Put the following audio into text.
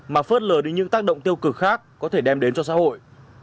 mà phớt lờ đến những tác động tiêu cực khác có thể đem đến cho xã hội